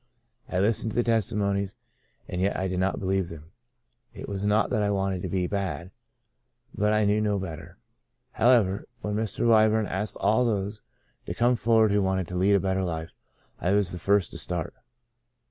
I listened to the testimonies and yet I did not believe them. It was not that I wanted to be bad, but I knew no bet ter. However, when Mr. Wyburn asked all those to come forward who wanted to lead a better life, I was the first to start.